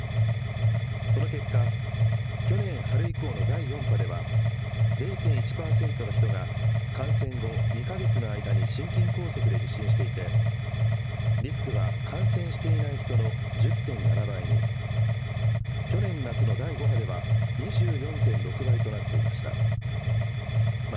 その結果、去年春以降の第４波では、０．１％の人が感染後２か月の間に心筋梗塞で受診していて、リスクは感染していない人の１０．７倍に、去年夏の第５波では２４．６倍となっていました。